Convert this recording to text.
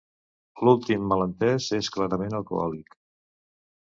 L'últim malentès és clarament alcohòlic.